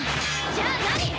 じゃあ何！？